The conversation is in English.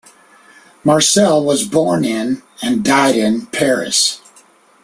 Marcel was born in and died in Paris.